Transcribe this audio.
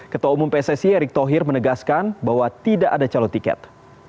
ketua umum pssi erick thohir menegaskan bahwa tidak ada calon tiket